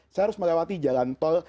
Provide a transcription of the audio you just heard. saya harus melewati jalan tol